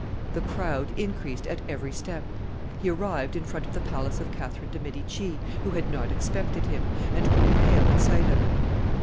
The crowd increased at every step. He arrived in front of the palace of Catherine de' Medici, who had not expected him, and grew pale at sight of him.